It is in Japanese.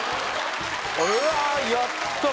うわやった